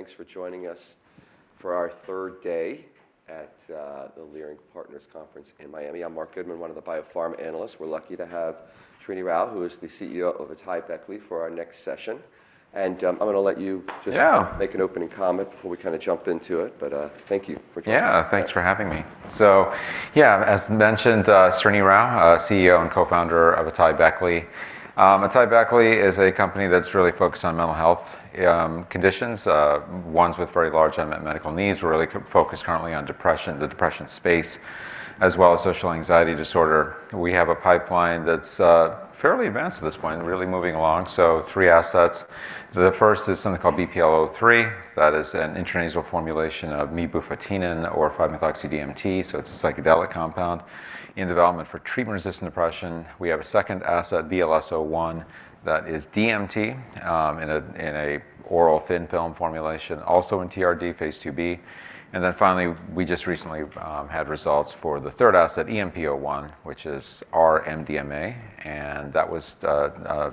Thanks for joining us for our third day at the Leerink Partners Conference in Miami. I'm Marc Goodman, one of the biopharma analysts. We're lucky to have Srinivas Rao, who is the CEO of AtaiBeckley, for our next session. I'm gonna let you just- Yeah Make an opening comment before we kinda jump into it, but thank you for joining us. Yeah. Thanks for having me. Yeah, as mentioned, Srini Rao, CEO and Co-Founder of AtaiBeckley. AtaiBeckley is a company that's really focused on mental health conditions, ones with very large unmet medical needs. We're really focused currently on depression, the depression space, as well as social anxiety disorder. We have a pipeline that's fairly advanced at this point and really moving along, so three assets. The first is something called BPL-003. That is an intranasal formulation of Mebufotenin or 5-MeO-DMT, so it's a psychedelic compound, in development for treatment-resistant depression. We have a second asset, VLS-01. That is DMT in an oral thin film formulation, also in TRD phase II-B. Then finally, we just recently had results for the third asset, EMP-01, which is R-MDMA, and that was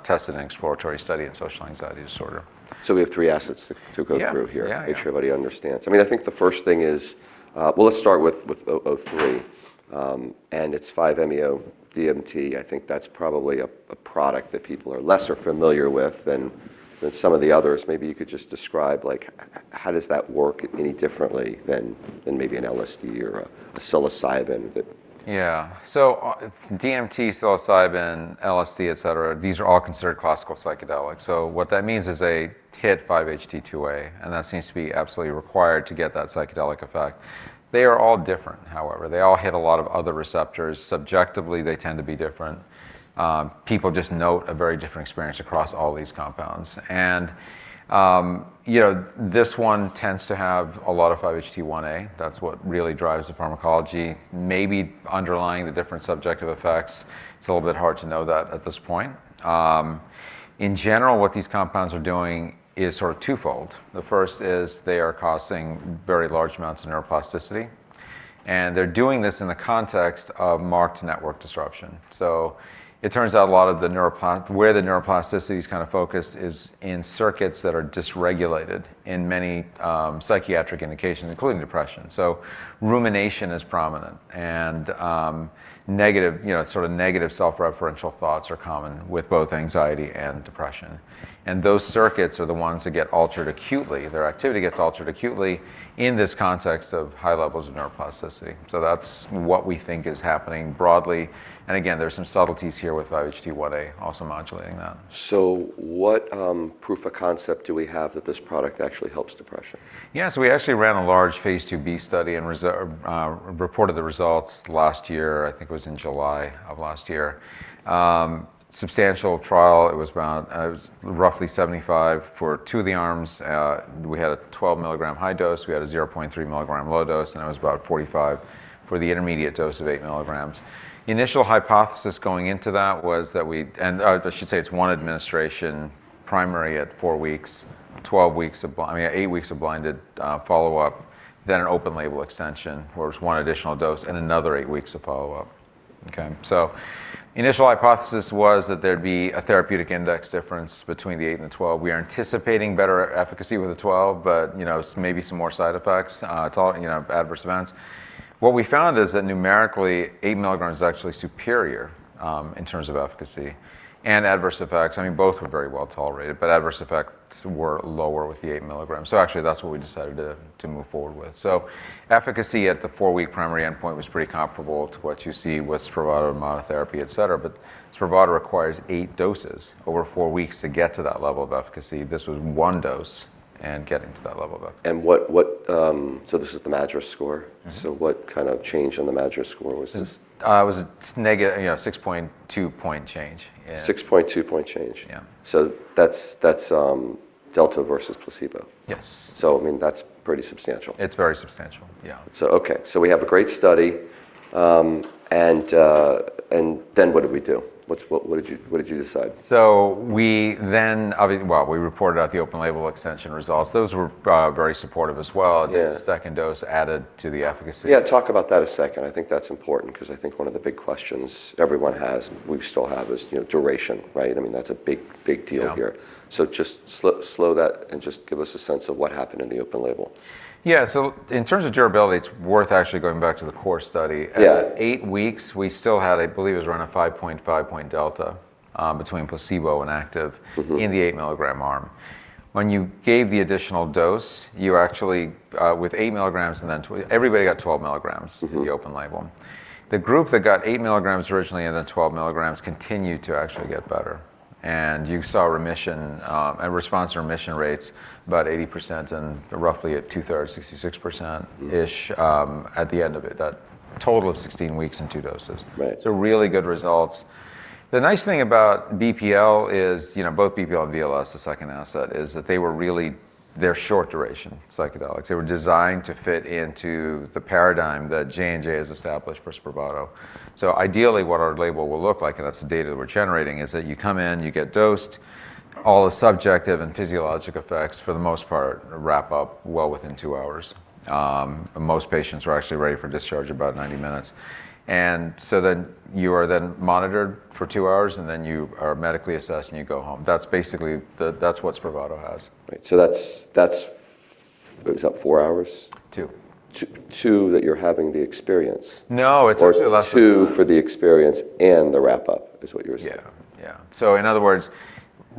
tested in an exploratory study in social anxiety disorder. We have three assets. Yeah to go through here. Yeah. Yeah. Make sure everybody understands. I mean, I think the first thing is, well, let's start with BPL-003, and it's 5-MeO-DMT. I think that's probably a product that people are less familiar with than some of the others. Maybe you could just describe, like, how does that work any differently than maybe an LSD or a psilocybin. Yeah. DMT, psilocybin, LSD, et cetera, these are all considered classical psychedelics. What that means is they hit 5-HT2A, and that seems to be absolutely required to get that psychedelic effect. They are all different, however. They all hit a lot of other receptors. Subjectively, they tend to be different. People just note a very different experience across all these compounds. You know, this one tends to have a lot of 5-HT1A. That's what really drives the pharmacology, maybe underlying the different subjective effects. It's a little bit hard to know that at this point. In general, what these compounds are doing is sort of twofold. The first is they are causing very large amounts of neuroplasticity, and they're doing this in the context of marked network disruption. It turns out where the neuroplasticity is kind of focused is in circuits that are dysregulated in many psychiatric indications, including depression. Rumination is prominent and negative, you know, sort of negative self-referential thoughts are common with both anxiety and depression, and those circuits are the ones that get altered acutely. Their activity gets altered acutely in this context of high levels of neuroplasticity. That's what we think is happening broadly, and again, there are some subtleties here with 5-HT1A also modulating that. What proof of concept do we have that this product actually helps depression? Yeah. We actually ran a large phase II-B study and reported the results last year. I think it was in July of last year. Substantial trial. It was roughly 75 for two of the arms. We had a 12 mg high dose. We had a 0.3 mg low dose, and that was about 45 for the intermediate dose of 8 mg. The initial hypothesis going into that was that we, I should say it's one administration primary at four weeks, I mean, eight weeks of blinded follow-up, then an open label extension, where it's one additional dose and another eight weeks of follow-up. Okay. The initial hypothesis was that there'd be a therapeutic index difference between the eight and the 12. We are anticipating better efficacy with the 12, but, you know, maybe some more side effects, adverse events. What we found is that numerically, 8 mg is actually superior in terms of efficacy and adverse effects. I mean, both were very well tolerated, but adverse effects were lower with the 8 mg. Actually, that's what we decided to move forward with. Efficacy at the four-week primary endpoint was pretty comparable to what you see with SPRAVATO monotherapy, et cetera, but SPRAVATO requires eight doses over four weeks to get to that level of efficacy. This was one dose and getting to that level of efficacy. This is the MADRS score. Mm-hmm. What kind of change on the MADRS score was this? You know, 6.2 point change. Yeah. 6.2-point change. Yeah. That's delta versus placebo. Yes. I mean, that's pretty substantial. It's very substantial. Yeah. Okay. We have a great study, and then what did we do? What did you decide? We reported out the open label extension results. Those were very supportive as well. Yeah. The second dose added to the efficacy. Yeah. Talk about that a second. I think that's important because I think one of the big questions everyone has, and we still have, is, you know, duration, right? I mean, that's a big, big deal here. Yeah. Just slow that and just give us a sense of what happened in the open label. Yeah. In terms of durability, it's worth actually going back to the core study. Yeah. At eight weeks, we still had, I believe it was around a 5.5 point delta, between placebo and active- Mm-hmm in the 8 mg arm. When you gave the additional dose, you actually, with 8 mg and then everybody got 12 mg Mm-hmm.... in the open label. The group that got 8 mg originally and then 12 mg continued to actually get better, and you saw remission, a response remission rates about 80% and roughly at two-thirds, 66%-ish, at the end of it, that total of 16 weeks and two doses. Right. Really good results. The nice thing about BPL is both BPL and VLS, the second asset, is that they're short duration psychedelics. They were designed to fit into the paradigm that J&J has established for SPRAVATO. Ideally, what our label will look like, and that's the data that we're generating, is that you come in, you get dosed, all the subjective and physiologic effects for the most part wrap up well within two hours. Most patients are actually ready for discharge in about 90 minutes. You are then monitored for two hours, and then you are medically assessed and you go home. That's basically what SPRAVATO has. Right. That's. Is that four hours? Two. T-two that you're having the experience? No, it's actually less than that. two for the experience and the wrap-up is what you're saying? Yeah. Yeah. In other words,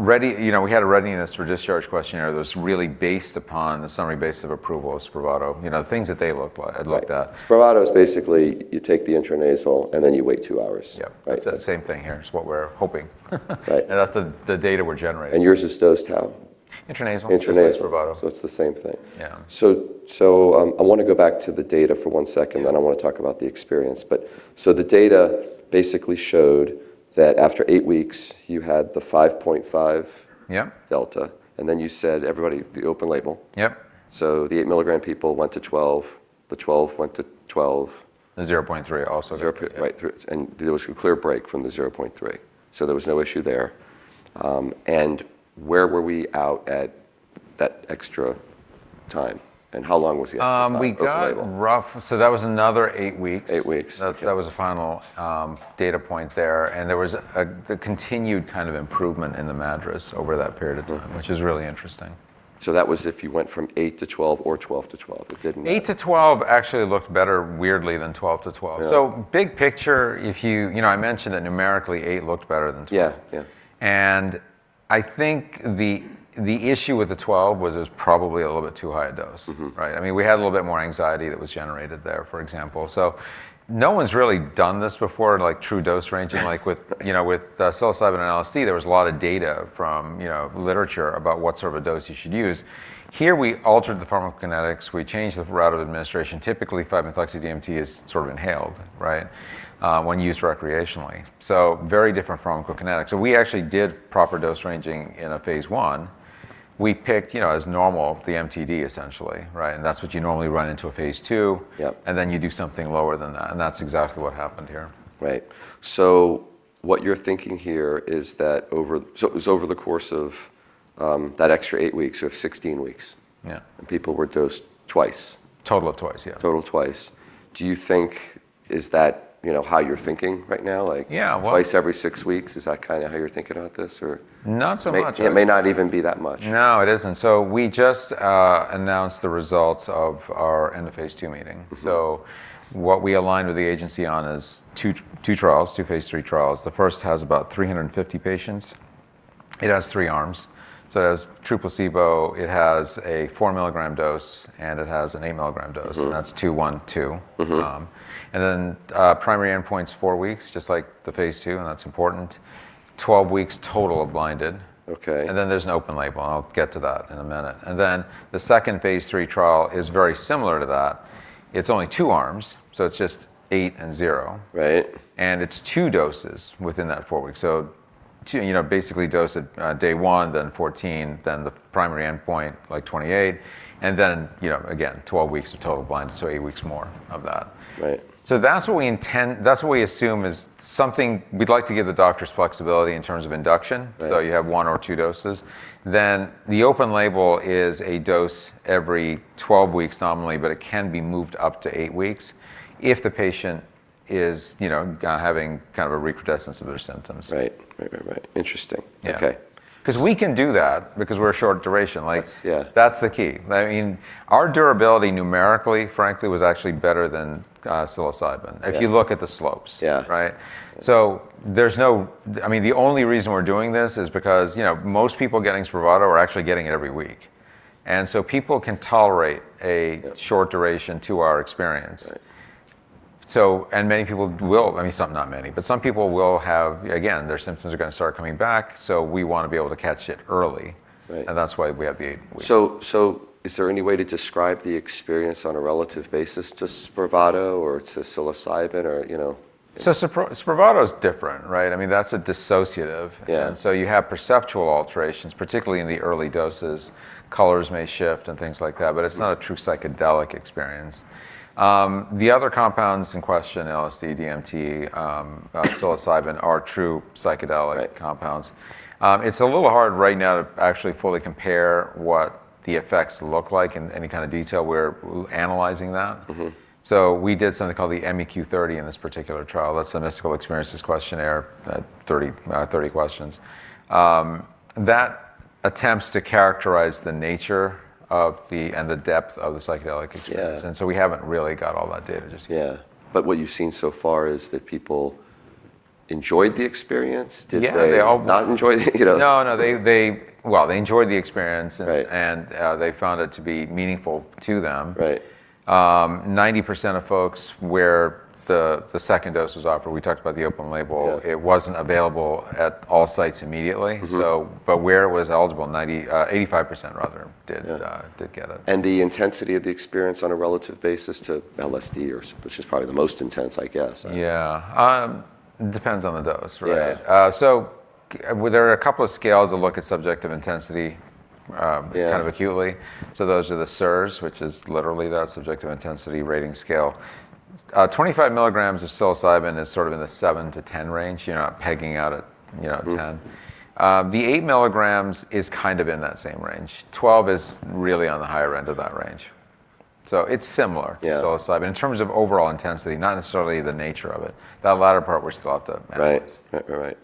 you know, we had a readiness for discharge questionnaire that was really based upon the summary based on approval of SPRAVATO. You know, the things that they looked at. Right. SPRAVATO's basically you take the intranasal and then you wait two hours. Yeah. Right? It's that same thing here, is what we're hoping. Right. That's the data we're generating. Yours is dosed how? Intranasal. Intranasal. Just like SPRAVATO. It's the same thing. Yeah. I wanna go back to the data for one second. Yeah. I wanna talk about the experience. The data basically showed that after eight weeks you had the 5.5- Yeah. Delta, and then you said everybody, the open label. Yep. The 8-mg people went to 12, the 12 went to 12. The 0.3 also. Yeah. 0.3, right, through. There was a clear break from the 0.3, so there was no issue there. Where were we out at that extra time, and how long was the extra time open label? That was another eight weeks. Eight weeks. Okay. That was a final data point there, and there was the continued kind of improvement in the MADRS over that period of time. Mm-hmm. Which is really interesting. That was if you went from eight to 12 or 12 to 12. It didn't matter. Eight to 12 actually looked better weirdly than 12-12. Yeah. Big picture, if you you know, I mentioned that numerically eight looked better than 12. Yeah. Yeah. I think the issue with the 12 was it was probably a little bit too high a dose. Mm-hmm. Right? I mean, we had a little bit more anxiety that was generated there, for example. No one's really done this before, like true dose ranging. Like with, you know, psilocybin and LSD there was a lot of data from, you know, literature about what sort of a dose you should use. Here we altered the pharmacokinetics, we changed the route of administration. Typically 5-MeO-DMT is sort of inhaled, right, when used recreationally, so very different pharmacokinetics. We actually did proper dose ranging in a phase I. We picked, you know, as normal the MTD essentially, right? That's what you normally run into a phase II. Yep. You do something lower than that, and that's exactly what happened here. Right. What you're thinking here is that it was over the course of that extra eight weeks, so 16 weeks. Yeah. People were dosed twice. Total of twice. Yeah. Total twice. Is that, you know, how you're thinking right now? Yeah. Twice every six weeks, is that kind of how you're thinking about this? Or- Not so much. It may not even be that much. No, it isn't. We just announced the results of our end-of-phase II meeting. Mm-hmm. What we aligned with the agency on is two trials, two phase III trials. The first has about 350 patients. It has three arms, so it has true placebo, it has a 4-mg dose, and it has an 8-mg dose. Mm-hmm. That's two, one, two. Mm-hmm. Primary endpoint's four weeks, just like the phase II, and that's important. 12 weeks total of blinded. Okay. There's an open label, and I'll get to that in a minute. The second phase III trial is very similar to that. It's only two arms, so it's just eight and 0. Right. It's two doses within that four weeks, so two, you know, basically dose at day one, then 14, then the primary endpoint like 28. Then, you know, again, 12 weeks of total blinded, so eight weeks more of that. Right. That's what we intend, that's what we assume is something. We'd like to give the doctors flexibility in terms of induction. Right. You have 1 or 2 doses. The open label is a dose every 12 weeks nominally, but it can be moved up to 8 weeks if the patient is, you know, having kind of a recrudescence of their symptoms. Right. Interesting. Yeah. Okay. 'Cause we can do that because we're a short duration. That's. Yeah. That's the key. I mean, our durability numerically frankly was actually better than psilocybin. Yeah. If you look at the slopes. Yeah. Right? I mean, the only reason we're doing this is because, you know, most people getting SPRAVATO are actually getting it every week, and so people can tolerate a Yeah. short duration to our experience. Right. I mean, some, not many, but some people will have, again, their symptoms are gonna start coming back, so we wanna be able to catch it early. Right. That's why we have the eight week. Is there any way to describe the experience on a relative basis to SPRAVATO or to psilocybin or, you know? Spravato is different, right? I mean, that's a dissociative. Yeah. You have perceptual alterations, particularly in the early doses. Colors may shift and things like that, but it's not a true psychedelic experience. The other compounds in question, LSD, DMT, psilocybin are true psychedelic. Right... compounds. It's a little hard right now to actually fully compare what the effects look like in any kind of detail. We're analyzing that. Mm-hmm. We did something called the MEQ30 in this particular trial. That's the Mystical Experiences Questionnaire, 30 questions, that attempts to characterize the nature and the depth of the psychedelic experience. Yeah. We haven't really got all that data just yet. Yeah. What you've seen so far is that people enjoyed the experience? Did they- Yeah. Not enjoy the, you know. No. Well, they enjoyed the experience. Right. They found it to be meaningful to them. Right. 90% of folks where the second dose was offered, we talked about the open label. Yeah. It wasn't available at all sites immediately. Mm-hmm. where it was eligible, 90, 85% rather did Yeah Did get it. The intensity of the experience on a relative basis to LSD. Which is probably the most intense, I guess. Yeah. Depends on the dose, right? Yeah. There are a couple of scales that look at subjective intensity. Yeah kind of acutely, so those are the SIRS, which is literally that, Subjective Intensity Rating Scale. 25 mg of psilocybin is sort of in the seven to 10 range. You're not pegging out at, you know, 10. Mm-hmm. The 8 mg is kind of in that same range. 12 is really on the higher end of that range. It's similar. Yeah. To psilocybin in terms of overall intensity, not necessarily the nature of it. That latter part we still have to manage. Right.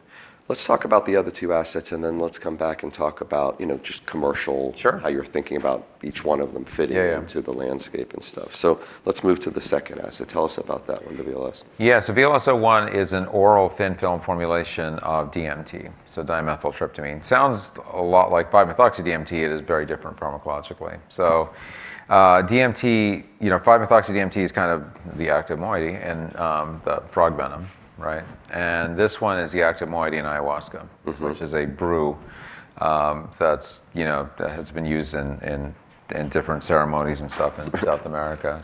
Let's talk about the other two assets and then let's come back and talk about, you know, just commercial. Sure. How you're thinking about each one of them fitting Yeah, yeah. to the landscape and stuff. Let's move to the second asset. Tell us about that one, the VLS-01. Yeah. VLS-01 is an oral thin film formulation of DMT, so dimethyltryptamine. Sounds a lot like 5-methoxy-N, N-dimethyltryptamine. It is very different pharmacologically. DMT, you know, 5-methoxy-N, N-dimethyltryptamine is kind of the active moiety in the toad venom, right? This one is the active moiety in ayahuasca. Mm-hmm Which is a brew, that's, you know, that has been used in different ceremonies and stuff in South America.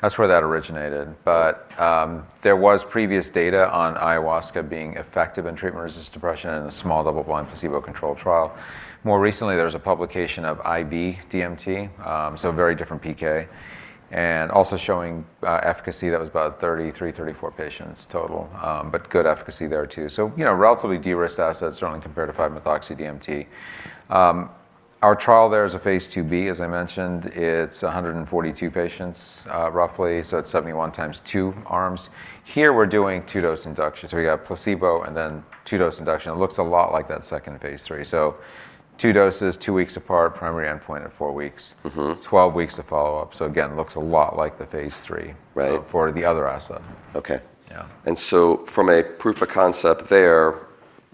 That's where that originated. There was previous data on ayahuasca being effective in treatment-resistant depression in a small double-blind placebo-controlled trial. More recently, there was a publication of IV DMT, so very different PK, and also showing efficacy that was about 33, 34 patients total. Good efficacy there too. You know, relatively de-risked assets certainly compared to 5-methoxy-N, N-dimethyltryptamine. Our trial there is a phase II-B, as I mentioned. It's 142 patients, roughly, so it's 71x two arms. Here we're doing two-dose induction. We've got placebo and then two-dose induction. It looks a lot like that second phase III. Two doses, two weeks apart, primary endpoint at four weeks. Mm-hmm. 12 weeks of follow-up. Again, looks a lot like the phase III- Right. for the other asset. Okay. Yeah. From a proof of concept there,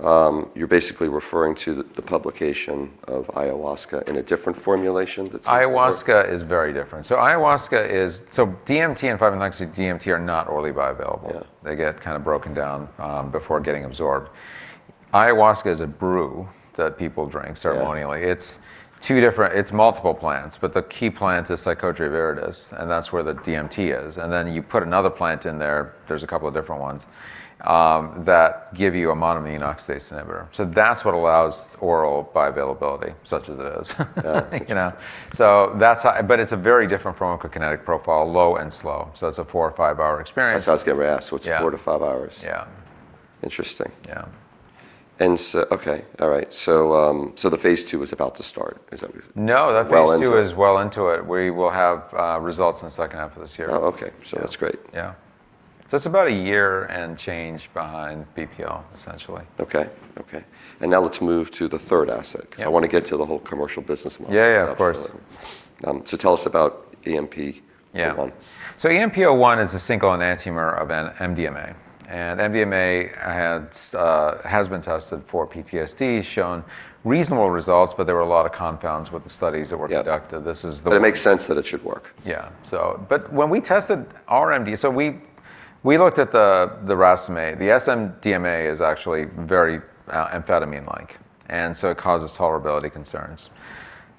you're basically referring to the publication of ayahuasca in a different formulation that's Ayahuasca is very different. DMT and 5-methoxy-N, N-dimethyltryptamine are not orally bioavailable. Yeah. They get kind of broken down, before getting absorbed. Ayahuasca is a brew that people drink ceremonially. Yeah. It's multiple plants, but the key plant is Psychotria viridis, and that's where the DMT is. You put another plant in there's a couple of different ones that give you a monoamine oxidase inhibitor. That's what allows oral bioavailability, such as it is. Yeah. You know? That's how. But it's a very different pharmacokinetic profile, low and slow. It's a 4 or 5-hour experience. That's what I was getting ready to ask. Yeah. It's 4-5 hours. Yeah. Interesting. Yeah. The phase II is about to start. Is that what you're? No, the phase Well into it. Two is well into it. We will have results in the second half of this year. Oh, okay. Yeah. That's great. Yeah. It's about a year and change behind BPL-003 essentially. Okay. Now let's move to the third asset. Yeah 'cause I wanna get to the whole commercial business model stuff. Yeah, yeah. Of course. Tell us about EMP-01. Yeah. EMP-01 is a single enantiomer of MDMA. MDMA has been tested for PTSD, shown reasonable results, but there were a lot of confounds with the studies that were conducted. Yeah. This is the one. It makes sense that it should work. Yeah. When we tested R-MDMA. We looked at the racemate. The S-MDMA is actually very amphetamine-like, and so it causes tolerability concerns.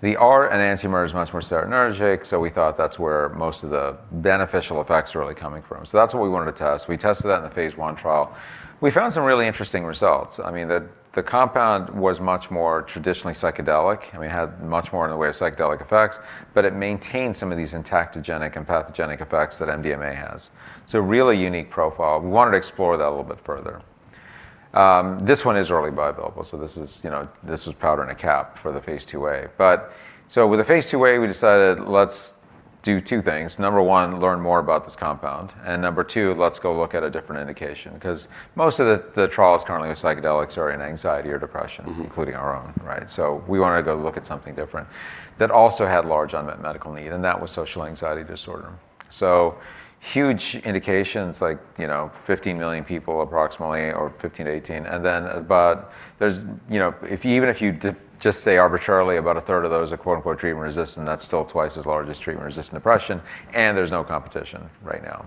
The R enantiomer is much more serotonergic, so we thought that's where most of the beneficial effects are really coming from. That's what we wanted to test. We tested that in the phase I trial. We found some really interesting results. I mean, the compound was much more traditionally psychedelic and we had much more in the way of psychedelic effects, but it maintained some of these entactogenic, empathogenic effects that MDMA has. A really unique profile. We wanted to explore that a little bit further. This one is orally bioavailable, so this is, you know, this was powder in a cap for the phase II-A. With the phase II-A, we decided let's do two things. Number one, learn more about this compound, and number two, let's go look at a different indication. 'Cause most of the trials currently with psychedelics are in anxiety or depression. Mm-hmm including our own, right? We wanted to go look at something different that also had large unmet medical need, and that was social anxiety disorder. Huge indications like, you know, 15 million people approximately, or 15-18. There's, you know, if even if you just say arbitrarily about a third of those are quote-unquote treatment-resistant, that's still twice as large as treatment-resistant depression, and there's no competition right now.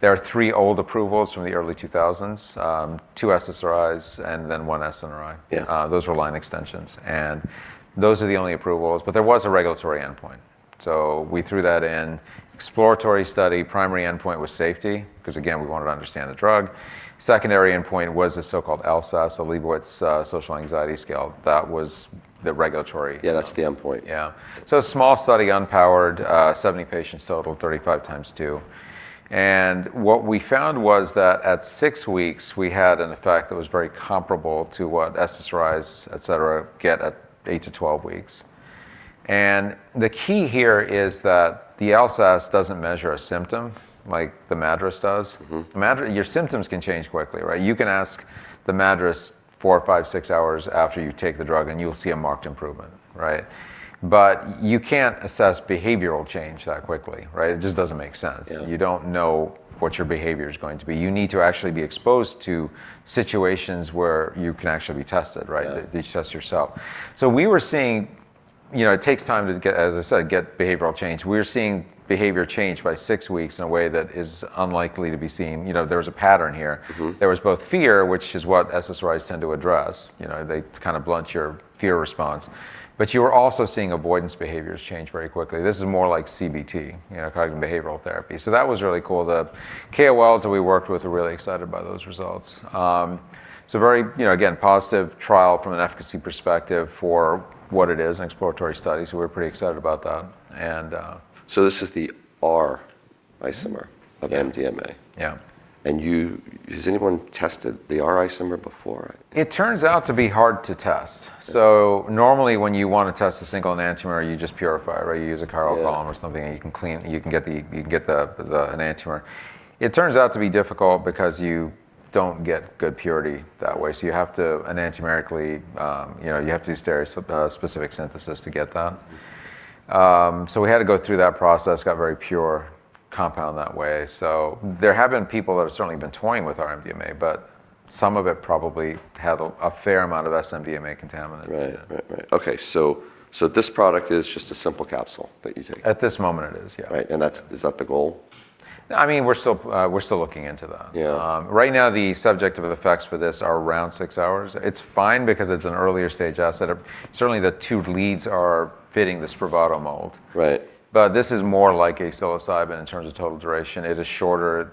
There are three old approvals from the early 2000s. Two SSRIs and then one SNRI. Yeah. Those were line extensions. Those are the only approvals, but there was a regulatory endpoint. We threw that in. Exploratory study, primary endpoint was safety, 'cause again, we wanted to understand the drug. Secondary endpoint was a so-called LSAS, so Liebowitz Social Anxiety Scale. That was the regulatory- Yeah, that's the endpoint. Yeah. A small study, unpowered, 70 patients total, 35 times two. What we found was that at six weeks we had an effect that was very comparable to what SSRIs, et cetera, get at eight to 12 weeks. The key here is that the LSAS doesn't measure a symptom like the MADRS does. Mm-hmm. The MADRS. Your symptoms can change quickly, right? You can ask the MADRS four, five, six hours after you take the drug and you'll see a marked improvement, right? You can't assess behavioral change that quickly, right? It just doesn't make sense. Yeah. You don't know what your behavior's going to be. You need to actually be exposed to situations where you can actually be tested, right? Yeah. That you test yourself. You know, it takes time to get, as I said, behavioral change. We were seeing behavior change by six weeks in a way that is unlikely to be seen. You know, there was a pattern here. Mm-hmm. There was both fear, which is what SSRIs tend to address, you know, they kind of blunt your fear response, but you were also seeing avoidance behaviors change very quickly. This is more like CBT, you know, cognitive behavioral therapy. That was really cool. The KOLs that we worked with were really excited by those results. It's a very, you know, again, positive trial from an efficacy perspective for what it is, an exploratory study, so we're pretty excited about that. This is the R-isomer of MDMA. Yeah You, has anyone tested the R-isomer before? It turns out to be hard to test. Normally, when you wanna test a single enantiomer, you just purify it, right? Yeah You use a chiral column or something, and you can clean. You can get the enantiomer. It turns out to be difficult because you don't get good purity that way. You have to enantiomerically, you know, do stereospecific synthesis to get that. We had to go through that process, got very pure compound that way. There have been people that have certainly been toying with R-MDMA, but some of it probably had a fair amount of S-MDMA contaminants. Right. Okay. This product is just a simple capsule that you take. At this moment it is, yeah. Right. That's, is that the goal? I mean, we're still looking into that. Yeah Right now the subjective effects for this are around six hours. It's fine because it's an early-stage asset. Certainly, the two leads are fitting the SPRAVATO mold. Right This is more like a psilocybin in terms of total duration. It is shorter,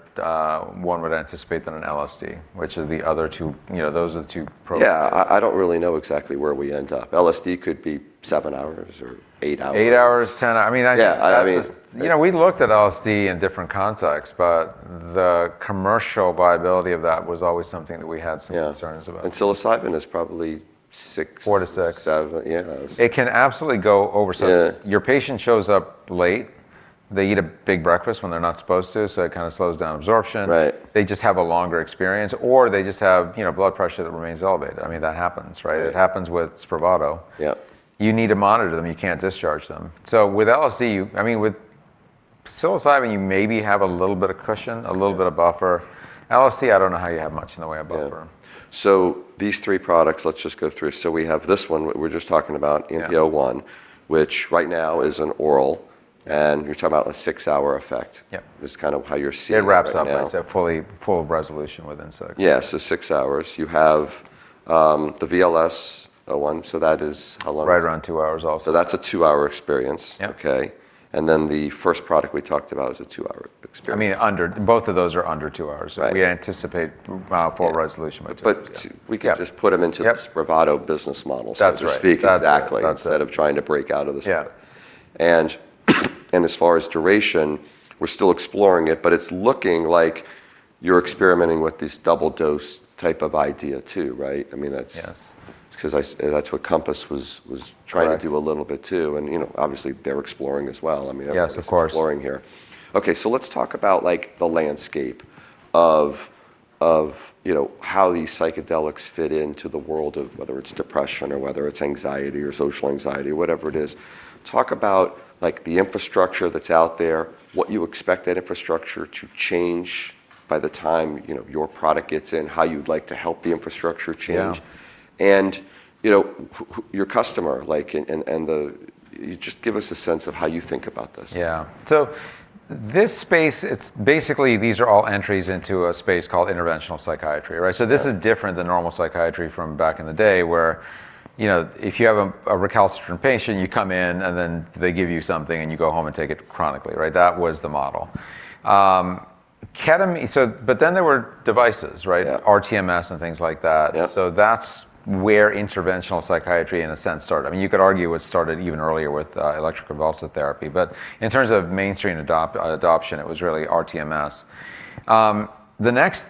one would anticipate, than an LSD, which are the other two. You know, those are the two programs. Yeah. I don't really know exactly where we end up. LSD could be seven hours or eight hours. eight hours, 10. I mean, Yeah, I mean. That's just, you know, we looked at LSD in different contexts, but the commercial viability of that was always something that we had some. Yeah concerns about. Psilocybin is probably six- four to six seven, yeah. It can absolutely go over. Yeah Your patient shows up late, they eat a big breakfast when they're not supposed to, so it kinda slows down absorption. Right They just have a longer experience, or they just have, you know, blood pressure that remains elevated. I mean, that happens, right? Yeah. It happens with SPRAVATO. Yep You need to monitor them. You can't discharge them. I mean, with psilocybin, you maybe have a little bit of cushion. Yeah a little bit of buffer. LSD, I don't know how you have much in the way of buffer. Yeah. These three products, let's just go through. We have this one we're just talking about. Yeah EMP-01, which right now is an oral, and you're talking about a six-hour effect. Yep This is kind of how you're seeing it right now. It wraps up, like I said, fully, full resolution within six hours. Yeah, six hours. You have the VLS-01, so that is how long? Right around two hours also. That's a two-hour experience. Yep. Okay. The first product we talked about is a two-hour experience. I mean under. Both of those are under two hours. Right We anticipate full resolution by 2, yeah. We can just put them into. Yep SPRAVATO business model, so to speak. That's right. That's it. Exactly. That's it. Instead of trying to break out of the- Yeah As far as duration, we're still exploring it, but it's looking like you're experimenting with this double dose type of idea too, right? I mean, that's. Yes 'Cause that's what Compass was trying. Correct to do a little bit too. You know, obviously they're exploring as well. Yes, of course. Everyone's exploring here. Okay. Let's talk about, like, the landscape of, you know, how these psychedelics fit into the world of whether it's depression or whether it's anxiety or social anxiety, whatever it is. Talk about, like, the infrastructure that's out there, what you expect that infrastructure to change by the time, you know, your product gets in, how you'd like to help the infrastructure change. Yeah Just give us a sense of how you think about this? Yeah. This space, it's basically, these are all entries into a space called interventional psychiatry, right? Yeah. This is different than normal psychiatry from back in the day, where, you know, if you have a recalcitrant patient, you come in and then they give you something, and you go home and take it chronically, right? That was the model. Ketamine, there were devices, right? Yeah. rTMS and things like that. Yep. That's where interventional psychiatry, in a sense, started. I mean, you could argue it started even earlier with electroconvulsive therapy. In terms of mainstream adoption, it was really rTMS. The next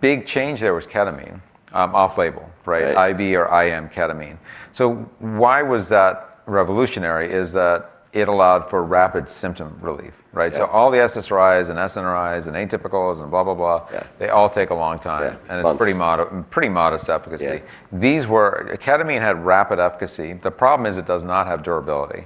big change there was ketamine, off-label. Right. IV or IM ketamine. Why was that revolutionary? It's that it allowed for rapid symptom relief, right? Yeah. All the SSRIs and SNRIs and atypicals and blah, blah. Yeah They all take a long time. Yeah. Months. It's pretty modest efficacy. Yeah. Ketamine had rapid efficacy. The problem is it does not have durability,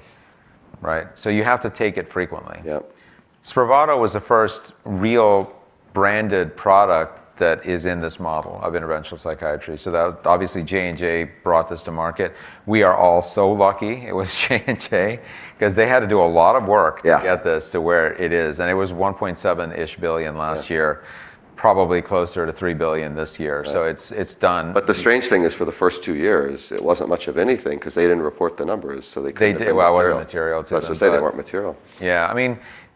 right? You have to take it frequently. Yep. SPRAVATO was the first real branded product that is in this model of interventional psychiatry. That, obviously J&J brought this to market. We are all so lucky it was J&J, 'cause they had to do a lot of work. Yeah to get this to where it is. It was $1.7 billion-ish last year. Yeah. Probably closer to $3 billion this year. Right It's done. The strange thing is, for the first two years, it wasn't much of anything, 'cause they didn't report the numbers, so they couldn't. They did. Well, it wasn't material to them. I was gonna say, they weren't material. Yeah. I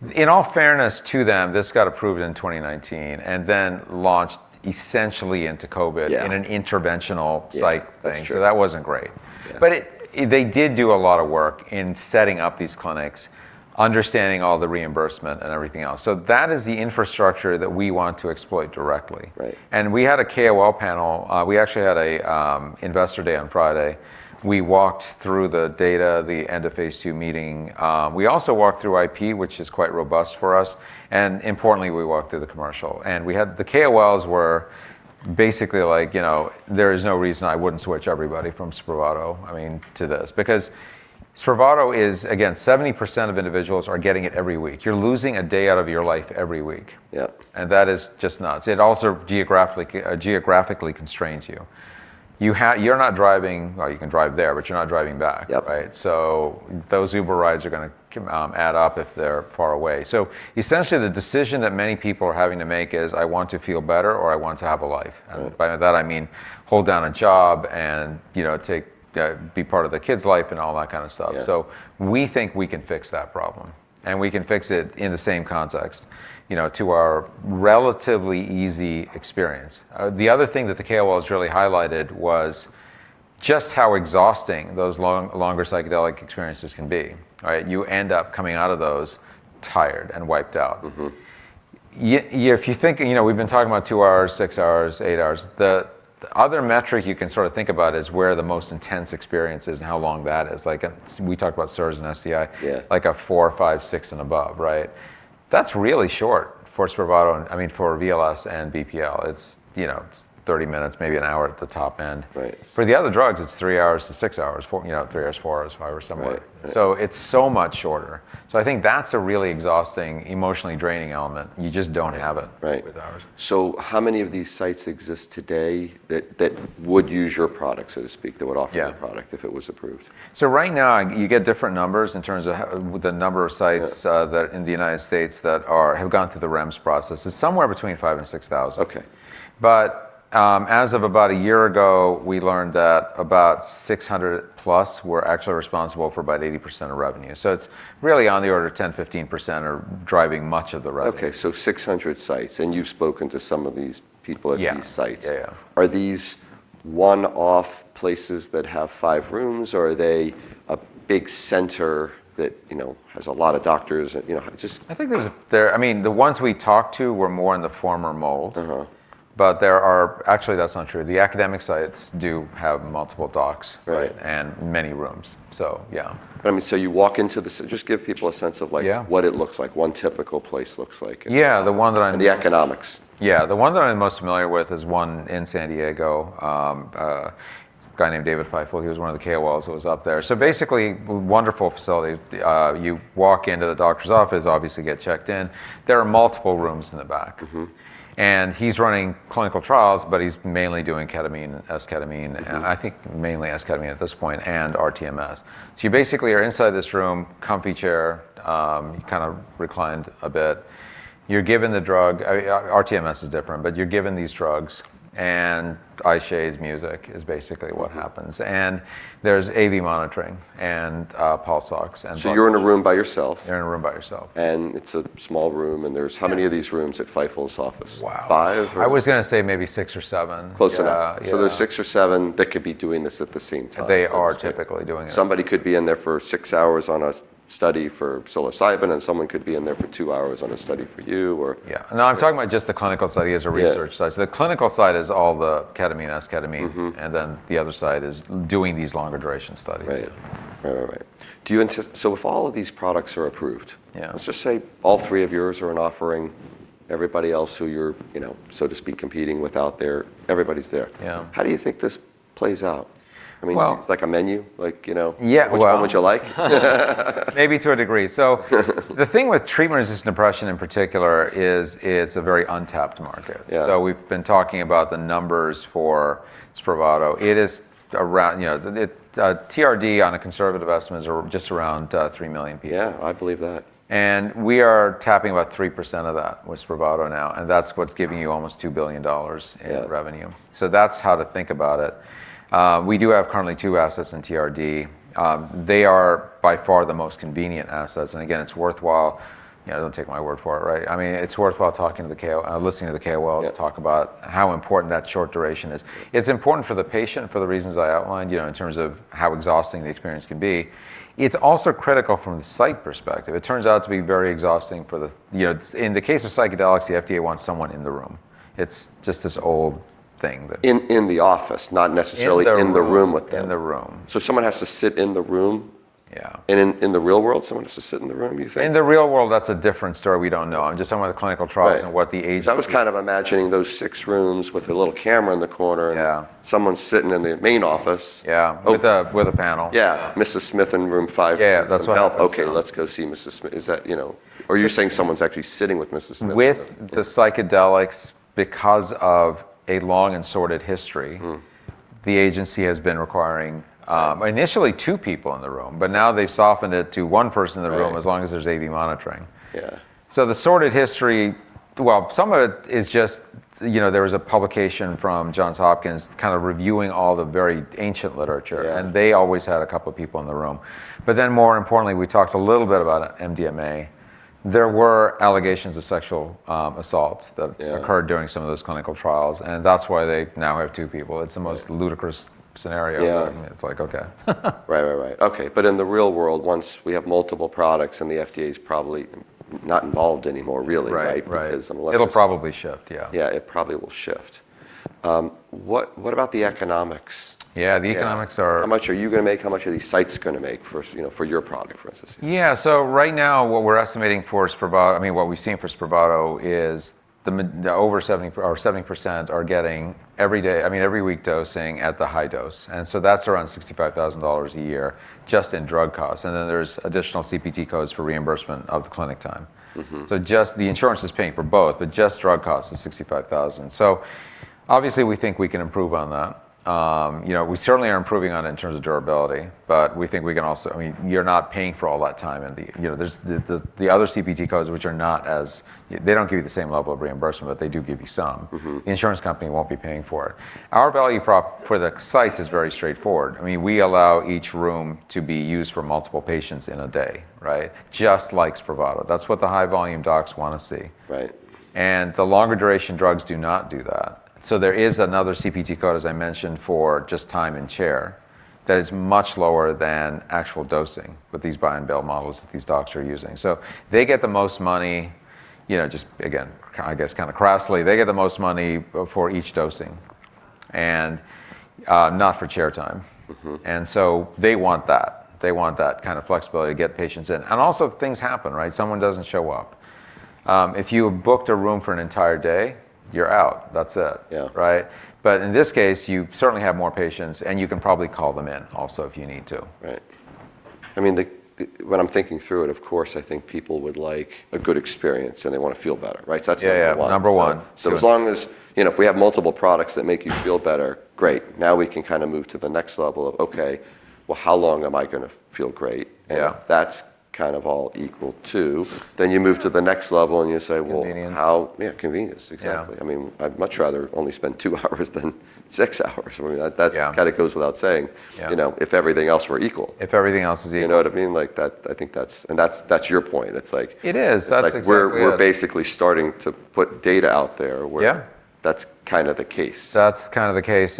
mean, in all fairness to them, this got approved in 2019, and then launched essentially into COVID. Yeah In an interventional psych thing. Yeah, that's true. That wasn't great. Yeah. It, they did do a lot of work in setting up these clinics, understanding all the reimbursement and everything else. That is the infrastructure that we want to exploit directly. Right We had a KOL panel. We actually had an Investor Day on Friday. We walked through the data, the end-of-phase II meeting. We also walked through IP, which is quite robust for us. Importantly, we walked through the commercial. We had the KOLs. The KOLs were basically like, you know, "There is no reason I wouldn't switch everybody from SPRAVATO," I mean, "to this." Because SPRAVATO is again 70% of individuals are getting it every week. You're losing a day out of your life every week. Yep That is just nuts. It also geographically constrains you. You're not driving. Well, you can drive there, but you're not driving back. Yep Right? Those Uber rides are gonna add up if they're far away. Essentially, the decision that many people are having to make is, I want to feel better or I want to have a life. Mm. By that, I mean hold down a job and, you know, be part of the kids' life and all that kind of stuff. Yeah. We think we can fix that problem, and we can fix it in the same context, you know, to our relatively easy experience. The other thing that the KOLs really highlighted was just how exhausting those long, longer psychedelic experiences can be, right? You end up coming out of those tired and wiped out. Mm-hmm. Yeah, if you think. You know, we've been talking about 2 hours, 6 hours, 8 hours. The other metric you can sort of think about is where the most intense experience is and how long that is. Like, we talk about SIRS and SDI. Yeah. Like, a four, five, six and above, right? That's really short for SPRAVATO and, I mean, for VLS-01 and BPL. It's, you know, it's 30 minutes, maybe an hour at the top end. Right. For the other drugs, it's three to six hours. Four, you know, three hours, four hours, five hours, somewhere. Right. Right. It's so much shorter. I think that's a really exhausting, emotionally draining element and you just don't have it. Right with ours. How many of these sites exist today that would use your product, so to speak, that would offer? Yeah Your product if it was approved? Right now, you get different numbers in terms of the number of sites. Yeah that are in the United States, have gone through the REMS process. It's somewhere between 5,000 and 6,000. Okay. As of about a year ago, we learned that about 600+ were actually responsible for about 80% of revenue. It's really on the order of 10%-15% are driving much of the revenue. 600 sites. You've spoken to some of these people at- Yeah these sites. Yeah, yeah. Are these one-off places that have five rooms or are they a big center that, you know, has a lot of doctors and, you know, just kind of? I think, I mean, the ones we talked to were more in the former mold. Uh-huh. Actually, that's not true. The academic sites do have multiple docs. Right.... and many rooms. Yeah. I mean, just give people a sense of like. Yeah. What it looks like, one typical place looks like. Yeah. The one that I'm The economics. Yeah. The one that I'm most familiar with is one in San Diego. A guy named David Feifel. He was one of the KOLs who was up there. Basically, wonderful facility. You walk into the doctor's office, obviously get checked in. There are multiple rooms in the back. Mm-hmm. He's running clinical trials, but he's mainly doing ketamine, esketamine. Mm-hmm I think mainly esketamine at this point and rTMS. You basically are inside this room, comfy chair, you're kind of reclined a bit. You're given the drug. I, rTMS is different, but you're given these drugs, and eye shades, music is basically what happens. There's AV monitoring, and pulse ox, and blood pressure. You're in a room by yourself. You're in a room by yourself. It's a small room, and there's. Yes.... how many of these rooms at Feifel's office? Wow. Five or- I was gonna say maybe six or seven. Close enough. Yeah. Yeah. There's six or seven that could be doing this at the same time. They are typically doing it at the same time. Somebody could be in there for 6 hours on a study for psilocybin, and someone could be in there for 2 hours on a study for you. Yeah. No, I'm talking about just the clinical study as a research side. Yeah. The clinical side is all the ketamine, esketamine. Mm-hmm. The other side is doing these longer duration studies. Right. All right. If all of these products are approved- Yeah Let's just say all three of yours are an offering, everybody else who you're, you know, so to speak, competing with out there, everybody's there. Yeah. How do you think this plays out? I mean- Well- It's like a menu? Like, you know- Yeah. Which one would you like? Maybe to a degree. The thing with treatment-resistant depression in particular is it's a very untapped market. Yeah. We've been talking about the numbers for SPRAVATO. It is around. The TRD on a conservative estimate is just around 3 million people. Yeah, I believe that. We are tapping about 3% of that with SPRAVATO now, and that's what's giving you almost $2 billion in revenue. Yeah. That's how to think about it. We do have currently two assets in TRD. They are by far the most convenient assets. Again, it's worthwhile, you know, don't take my word for it, right? I mean, it's worthwhile listening to the KOLs. Yeah Talk about how important that short duration is. It's important for the patient for the reasons I outlined, you know, in terms of how exhausting the experience can be. It's also critical from the site perspective. It turns out to be very exhausting. You know, in the case of psychedelics, the FDA wants someone in the room. It's just this old thing that. In the office, not necessarily. In the room. in the room with them. In the room. Someone has to sit in the room? Yeah. In the real world, someone has to sit in the room, do you think? In the real world, that's a different story. We don't know. I'm just talking about the clinical trials. Right what the agency. 'Cause I was kind of imagining those six rooms with the little camera in the corner and. Yeah Someone sitting in the main office. Yeah. Oh- With a panel. Yeah. Yeah. Mrs. Smith in room five needs. Yeah, that's what happens. Yeah Some help. Okay, let's go see Mrs. Smith. Is that, you know, or you're saying someone's actually sitting with Mrs. Smith? With the psychedelics, because of a long and sordid history. Mm The agency has been requiring, initially two people in the room, but now they've softened it to one person in the room. Right As long as there's AV monitoring. Yeah. The storied history, well, some of it is just, you know, there was a publication from Johns Hopkins kind of reviewing all the very ancient literature. Yeah. They always had a couple people in the room. More importantly, we talked a little bit about MDMA. There were allegations of sexual assault that Yeah occurred during some of those clinical trials, and that's why they now have two people. It's the most ludicrous scenario. Yeah. I mean, it's like, okay. Right. Okay. In the real world, once we have multiple products and the FDA's probably not involved anymore really, right? Right. Right. Because unless- It'll probably shift. Yeah. Yeah, it probably will shift. What about the economics? Yeah, the economics are. How much are you gonna make? How much are these sites gonna make first, you know, for your product, for instance? Right now what we're estimating for SPRAVATO, I mean, what we've seen for SPRAVATO is over 70 or 70% are getting every week dosing at the high dose, and so that's around $65,000 a year just in drug costs, and then there's additional CPT codes for reimbursement of the clinic time. Mm-hmm. Just the insurance is paying for both, but just drug costs is $65,000. Obviously we think we can improve on that. You know, we certainly are improving on it in terms of durability. We think we can also. I mean, you're not paying for all that time in the. You know, there's the other CPT codes, which are not as. They don't give you the same level of reimbursement, but they do give you some. Mm-hmm. The insurance company won't be paying for it. Our value prop for the sites is very straightforward. I mean, we allow each room to be used for multiple patients in a day, right? Just like SPRAVATO. That's what the high volume docs wanna see. Right. The longer duration drugs do not do that. There is another CPT code, as I mentioned, for just time and chair. That is much lower than actual dosing with these buy-and-bill models that these docs are using. They get the most money, you know, just, again, kinda crassly, they get the most money for each dosing, and not for chair time. Mm-hmm. They want that. They want that kind of flexibility to get patients in. Things happen, right? Someone doesn't show up. If you have booked a room for an entire day, you're out. That's it. Yeah. Right? In this case, you certainly have more patients, and you can probably call them in also if you need to. Right. I mean, when I'm thinking through it, of course, I think people would like a good experience, and they wanna feel better, right? Yeah. That's number one. Yeah, yeah. Number one. You know, if we have multiple products that make you feel better, great. Now we can kinda move to the next level of, okay, well, how long am I gonna feel great? Yeah. If that's kind of all equal to, then you move to the next level and you say, "Well- Convenience How?" Yeah, convenience. Yeah. Exactly. I mean, I'd much rather only spend two hours than six hours. Yeah Kinda goes without saying. Yeah. You know, if everything else were equal. If everything else is equal. You know what I mean? Like, I think that's your point. It's like. It is. That's exactly it. It's like we're basically starting to put data out there where Yeah That's kinda the case. That's kinda the case.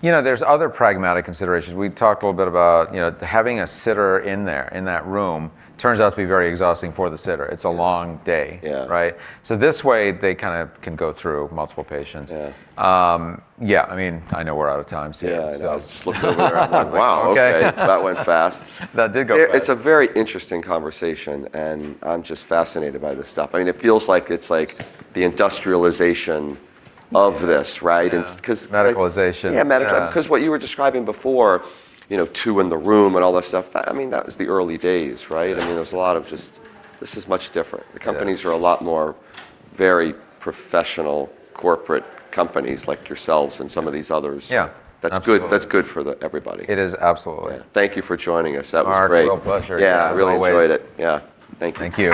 You know, there's other pragmatic considerations. We've talked a little bit about, you know, having a sitter in there, in that room, turns out to be very exhausting for the sitter. It's a long day. Yeah. Right? This way, they kinda can go through multiple patients. Yeah. Yeah. I mean, I know we're out of time, so. Yeah, I know. So Just looked over there. I'm like, "Wow, okay. Okay. That went fast. That did go fast. It's a very interesting conversation, and I'm just fascinated by this stuff. I mean, it feels like it's like the industrialization of this. Yeah Right? Yeah. And s- 'cause- Medicalization. Yeah. Yeah 'Cause what you were describing before, you know, two in the room and all that stuff, that, I mean, that was the early days, right? Yeah. I mean, there's a lot of just. This is much different. It is. The companies are a lot more very professional, corporate companies like yourselves and some of these others. Yeah. Absolutely. That's good for everybody. It is, absolutely. Yeah. Thank you for joining us. That was great. Marc, a real pleasure. Yeah. As always. I really enjoyed it. Yeah. Thank you.